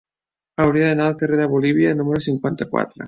Hauria d'anar al carrer de Bolívia número cinquanta-quatre.